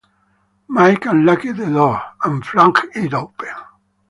Mike unlocked the door, and flung it open.